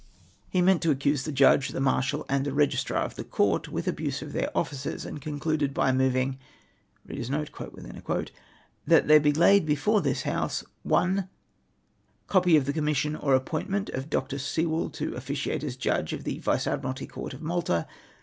He meant to accuse the Judge, the Marshal, and the Ee gistrar of the Court with abuse of their offices, and con cluded by moving, ' That there be laid before this House, I. Copy of the Commission or Appointment of Dr. Sewell to officiate as Judge of the Vice Admiralty Court of Malta.